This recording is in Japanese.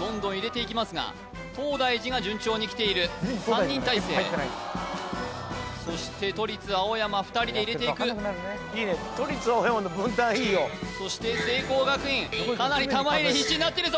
どんどん入れていきますが東大寺が順調にきている３人体制そして都立青山２人で入れていくそして聖光学院かなり玉入れ必死になってるぞ！